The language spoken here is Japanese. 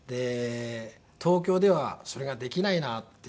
東京ではそれができないなっていう。